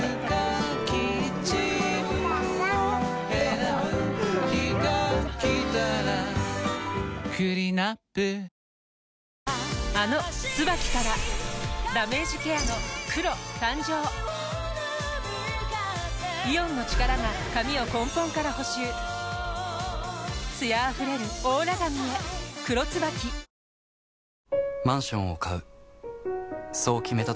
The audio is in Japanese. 選ぶ日がきたらクリナップあの「ＴＳＵＢＡＫＩ」からダメージケアの黒誕生イオンの力が髪を根本から補修艶あふれるオーラ髪へ「黒ＴＳＵＢＡＫＩ」あっ！